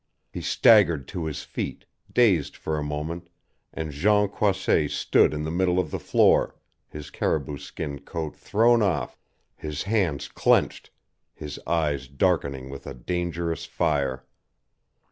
He staggered to his feet, dazed for a moment, and Jean Croisset stood in the middle of the floor, his caribou skin coat thrown off, his hands clenched, his eyes darkening with a dangerous fire.